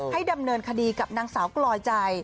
ดำเนินคดีกับนางสาวกลอยใจ